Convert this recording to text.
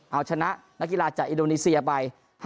เอาชนะนักกีฬาจากอินโดนีเซียไป